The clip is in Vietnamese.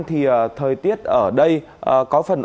thì thời tiết ở đây có phần